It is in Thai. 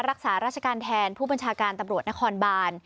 รักษาราชการแทนผู้บัญชาการตำรวจนครบาน